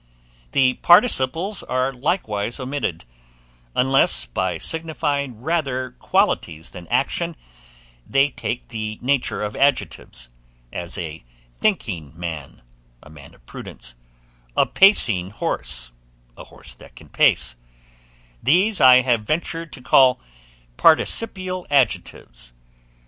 The participles are likewise omitted, unless, by signifying rather habit or quality than action, they take the nature of adjectives; as a thinking man, a man of prudence; a pacing horse, a horse that can pace: these I have ventured to call participial adjectives.